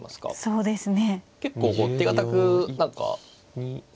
そうですね。